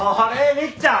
みっちゃん。